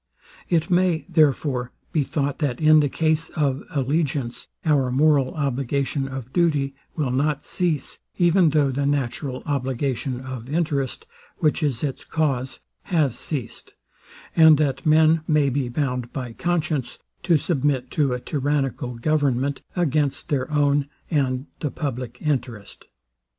It may, therefore, be thought, that in the case of allegiance our moral obligation of duty will not cease, even though the natural obligation of interest, which is its cause, has ceased; and that men may be bound by conscience to submit to a tyrannical government against their own and the public interest.